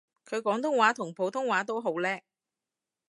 佢廣東話同普通話都好叻